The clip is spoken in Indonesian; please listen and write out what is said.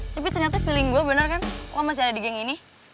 tapi ternyata feeling gue bener kan lo masih ada di geng ini